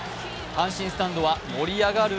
阪神スタンドは盛り上がる